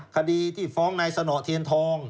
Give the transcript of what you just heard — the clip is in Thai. คดีที่ฟ้องนายสนเทียนทอง